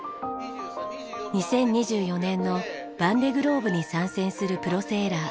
２０２４年のヴァンデ・グローブに参戦するプロセーラー